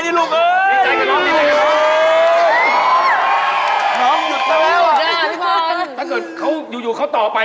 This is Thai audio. ถ้าเกิดอยู่เขาต่อไป